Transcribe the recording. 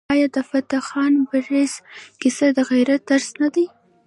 آیا د فتح خان بړیڅ کیسه د غیرت درس نه دی؟